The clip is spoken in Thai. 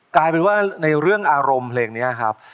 กลายเป็นว่าในเรื่องอารมณ์เพลงนี้ครับ